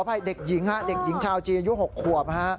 ขออภัยเด็กหญิงชาวจีนอายุ๖ควบ